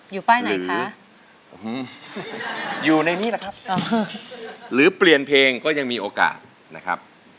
อยู่ป้ายไหนคะอยู่ในนี้แหละครับหรือเปลี่ยนเพลงก็ยังมีโอกาสนะครับ